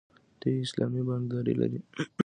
دوی اسلامي بانکداري لري.